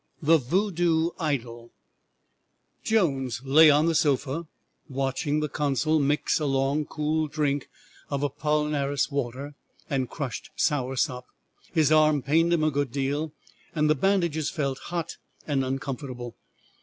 THE VOODOO IDOL. Jones lay on the sofa watching the consul mix a long, cool drink of Apollinaris water and crushed sour sop. His arm pained him a good deal and the bandages felt hot and uncomfortable.